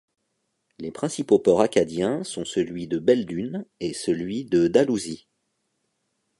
Les principaux ports acadiens sont celui de Belledune et celui de Dalhousie.